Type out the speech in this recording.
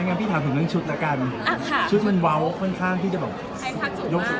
ดังนั้นพี่ถามถึงเรื่องชุดละกันชุดมันเว้าค่อนข้างที่จะบอกยกสูงเลยนะครับ